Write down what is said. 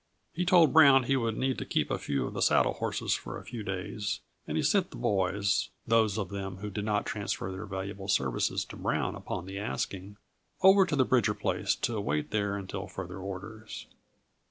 He told Brown he would need to keep a few of the saddle horses for a few days, and he sent the boys those of them who did not transfer their valuable services to Brown upon the asking over to the Bridger place to wait there until further orders.